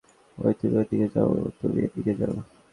এই তুমি ওদিকে যাও তুমি এদিকে যাও।